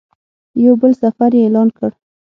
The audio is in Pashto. یو بل سفر یې اعلان کړ.